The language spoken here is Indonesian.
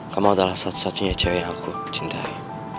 kamu adalah satu satunya jawa yang aku cintai